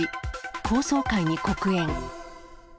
高層階に黒煙。